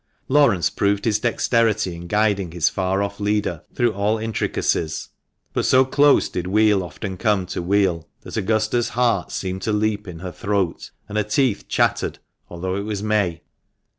Laurence proved his dexterity in guiding his far off leader through all intricacies, but so close did wheel often come to wheel that Augusta's heart seemed to leap into her throat, and her teeth chattered, although it was May.